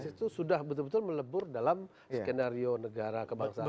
itu sudah betul betul melebur dalam skenario negara kebangsaan